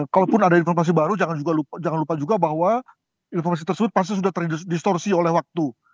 kalaupun ada informasi baru jangan lupa juga bahwa informasi tersebut pasti sudah terdistorsi oleh waktu